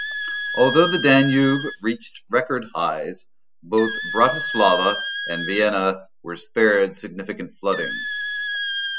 Although the Danube reached record highs, both Bratislava and Vienna were spared significant flooding.